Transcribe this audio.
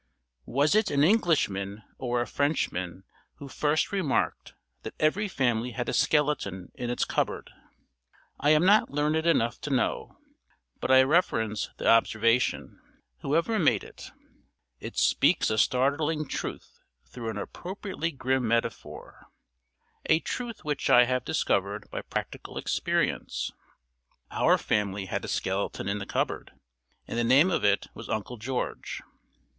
WAS it an Englishman or a Frenchman who first remarked that every family had a skeleton in its cupboard? I am not learned enough to know, but I reverence the observation, whoever made it. It speaks a startling truth through an appropriately grim metaphor a truth which I have discovered by practical experience. Our family had a skeleton in the cupboard, and the name of it was Uncle George.